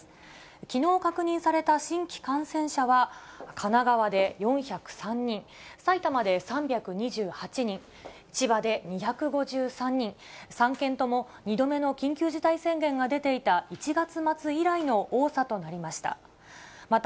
きのう確認された新規感染者は、神奈川で４０３人、埼玉で３２８人、千葉で２５３人、３県とも、２度目の緊急事態宣言が出ていた１月末以来の多さとなりました。